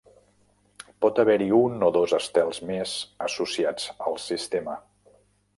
Pot haver-hi un o dos estels més associats al sistema.